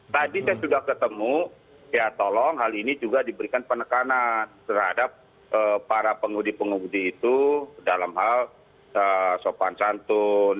tadi saya sudah ketemu ya tolong hal ini juga diberikan penekanan terhadap para pengundi pengemudi itu dalam hal sopan santun